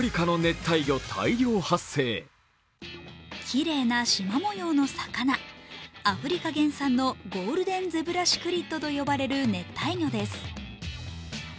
きれいなしま模様の魚アフリカ原産のゴールデンゼブラシクリッドと呼ばれる熱帯魚です。